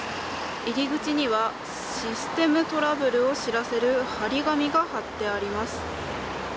入り口にはシステムトラブルを知らせる貼り紙が貼ってあります。